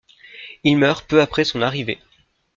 Il meurt peu après son arrivée.